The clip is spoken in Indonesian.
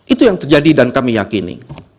itu yang terjadi dan kami yakini